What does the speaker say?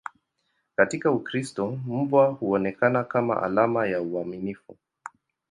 Katika Ukristo, mbwa huonekana kama alama ya uaminifu.